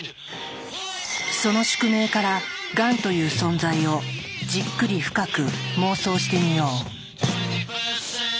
その宿命からがんという存在をじっくり深く妄想してみよう。